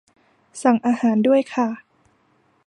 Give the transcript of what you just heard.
สั่งอาหารด้วยค่ะ